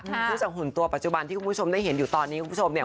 ซึ่งจากหุ่นตัวปัจจุบันที่คุณผู้ชมได้เห็นอยู่ตอนนี้คุณผู้ชมเนี่ย